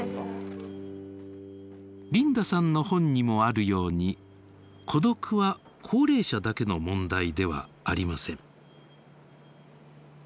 リンダさんの本にもあるように孤独は高齢者だけの問題ではありません。